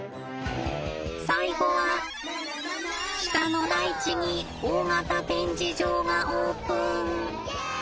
最後は北の大地に大型展示場がオープン。